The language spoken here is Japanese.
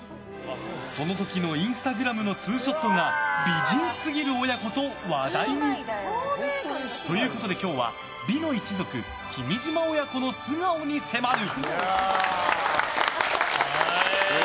その時のインスタグラムのツーショットが美人すぎる親子と話題に！ということで今日は美の一族・君島親子の素顔に迫る。